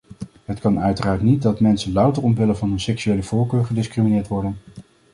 Het kan uiteraard niet dat mensen louter omwille van hun seksuele voorkeur gediscrimineerd worden.